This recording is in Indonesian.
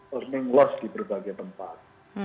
learning loss di berbagai tempat